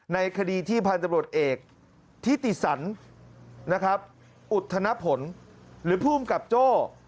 ในคดีที่พันธบรวจเอกทิติสันนะครับอุทธนผลหรือภูมิกับโจ้